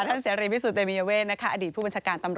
ท่านเสารีพิสุทธิ์ตรเรมี่ยเวนะคะ